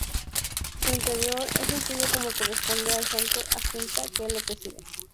Su interior es sencillo como corresponde al santo asceta que lo preside.